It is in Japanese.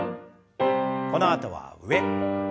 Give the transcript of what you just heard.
このあとは上。